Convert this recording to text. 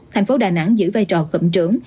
thành phố đà nẵng giữ vai trò cộng trưởng